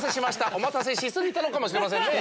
お待たせし過ぎたのかもしれませんね。